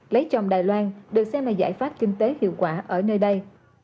lấy chồng đài loan được xem là giải pháp kinh tế hiệu quả ở nơi đây